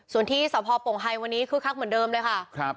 ส่วนที่สพปงไฮวันนี้คึกคักเหมือนเดิมเลยค่ะ